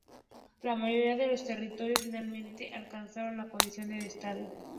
La mayoría de los territorios finalmente alcanzaron la condición de Estado.